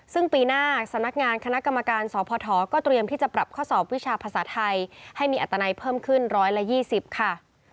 ซึ่งปีหน้าสำนักงานคณะกรรมการสพก็เตรียมที่จะปรับข้อสอบวิชาภาษาไทยให้มีอัตนัยเพิ่มขึ้น๑๒๐ค่ะ